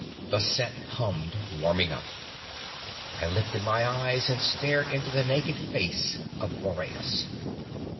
The set hummed, warming up. I lifted my eyes and stared into the naked face of Boreas.